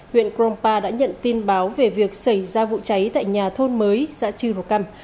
huyện grong pa đã nhận tin báo về việc xảy ra vụ cháy tại nhà thôn mới giã trư rồ căm